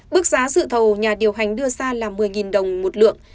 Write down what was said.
mức giá dự thầu nhà điều hành đưa ra là một mươi đồng một lượng